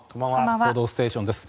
「報道ステーション」です。